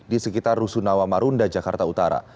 di sekitar rusunawa marunda jakarta utara